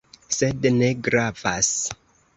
Sed ne gravas.